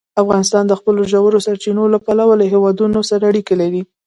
افغانستان د خپلو ژورو سرچینو له پلوه له هېوادونو سره اړیکې لري.